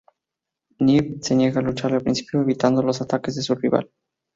Mew se niega a luchar al principio evitando los ataques de su rival.